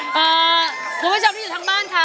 พะเขาก็ไม่จำที่อยู่ทั้งบ้านค่ะ